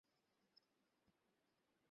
সন্দেহ থাকলে, চেক করে দেখুন।